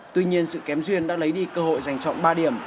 tuy nhiên sự kém duyên đã lấy đi cơ hội dành chọn ba điểm